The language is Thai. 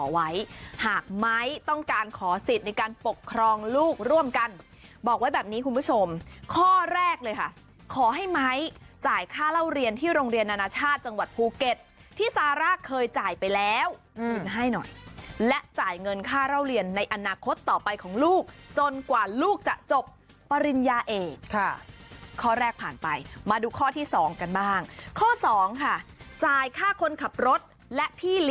ไว้หากไม้ต้องการขอสิทธิ์ในการปกครองลูกร่วมกันบอกไว้แบบนี้คุณผู้ชมข้อแรกเลยค่ะขอให้ไม้จ่ายค่าเล่าเรียนที่โรงเรียนนานาชาติจังหวัดภูเก็ตที่ซาร่าเคยจ่ายไปแล้วคืนให้หน่อยและจ่ายเงินค่าเล่าเรียนในอนาคตต่อไปของลูกจนกว่าลูกจะจบปริญญาเอกค่ะข้อแรกผ่านไปมาดูข้อที่สองกันบ้างข้อสองค่ะจ่ายค่าคนขับรถและพี่